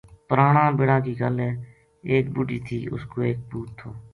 پرانا بِڑا کی گل ہے ایک بُڈھی تھی اُس کو ایک پوت تھو